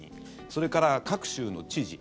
それから各州の知事